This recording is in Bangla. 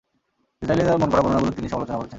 ইসরাঈলীদের মনগড়া বর্ণনাগুলোর তিনি সমালোচনা করেছেন।